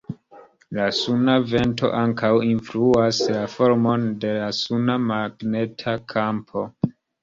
La suna vento ankaŭ influas la formon de la suna magneta kampo.